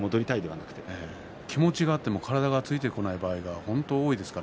気持ちがあっても体がついてこない場合が多いです。